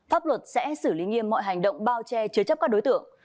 pháp luật sẽ xử lý nghiêm mọi hành động bao che chứa chấp các đối tượng